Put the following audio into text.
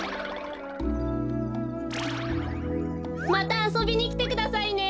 またあそびにきてくださいね。